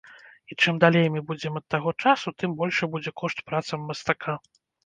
І чым далей мы будзем ад таго часу, тым большы будзе кошт працам мастака.